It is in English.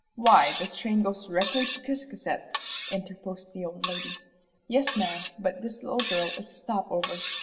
"Why, this train goes direct to Ciscasset," interposed the old lady. "Yes, ma'am, but this little girl is a stop over.